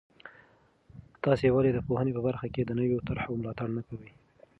تاسې ولې د پوهنې په برخه کې د نویو طرحو ملاتړ نه کوئ؟